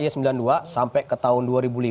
sembilan puluh dua sampai ke tahun